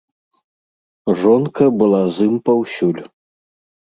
Жонка была з ім паўсюль.